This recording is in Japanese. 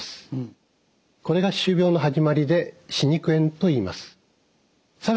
これが歯周病の始まりで歯肉炎といいます。